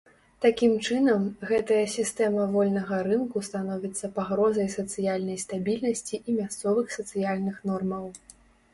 Такім чынам, гэтая сістэма вольнага рынку становіцца пагрозай сацыяльнай стабільнасці і мясцовых сацыяльных нормаў.